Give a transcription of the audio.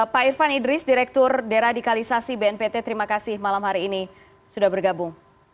pak irfan idris direktur deradikalisasi bnpt terima kasih malam hari ini sudah bergabung